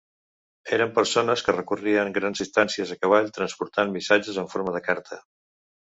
Eren persones que recorrien grans distàncies a cavall transportant missatges en forma de carta.